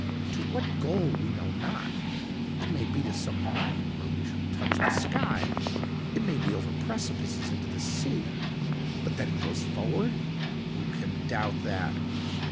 To what goal we know not—it may be to some mountain where we shall touch the sky, it may be over precipices into the sea. But that it goes forward —who can doubt that?